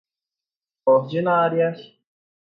ordinárias